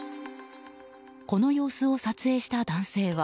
この様子を撮影した男性は。